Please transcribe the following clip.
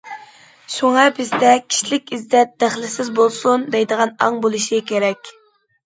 شۇڭا بىزدە‹‹ كىشىلىك ئىززەت دەخلىسىز بولسۇن›› دەيدىغان ئاڭ بولۇشى كېرەك.